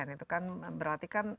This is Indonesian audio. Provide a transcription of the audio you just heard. itu kan berarti